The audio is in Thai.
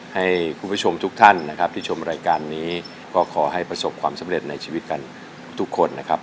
ให้คุณผู้ชมทุกท่านนะครับที่ชมรายการนี้ก็ขอให้ประสบความสำเร็จในชีวิตกันทุกคนนะครับ